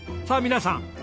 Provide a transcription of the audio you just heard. さあ皆さん！